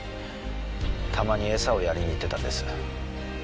たまに餌をやりに行ってたんです。